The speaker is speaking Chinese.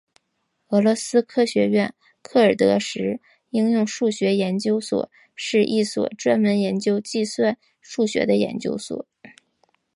俄罗斯科学院克尔德什应用数学研究所是一所专门研究计算数学的研究所。